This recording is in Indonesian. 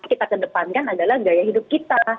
maka kita terdepankan adalah gaya hidup kita